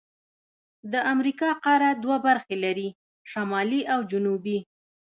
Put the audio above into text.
د امریکا قاره دوه برخې لري: شمالي او جنوبي.